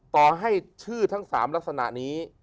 ต่อให้ชื่อทั้ง๓ลักษณะนี้